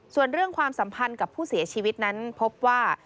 ส่วนเรื่องความสัมพันธ์กับผู้เสียชีวิตนั้นพบว่า